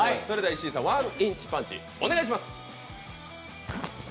石井さん、ワンインチパンチお願いします。